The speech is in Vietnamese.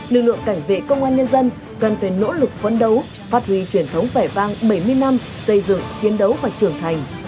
lực lượng cảnh vệ công an nhân dân cần phải nỗ lực phấn đấu phát huy truyền thống vẻ vang bảy mươi năm xây dựng chiến đấu và trưởng thành